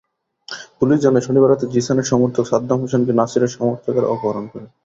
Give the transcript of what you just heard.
Police জানায়, শনিবার রাতে জিসানের সমর্থক সাদ্দাম হোসেনকে নাছিরের সমর্থকেরা অপহরণ করে।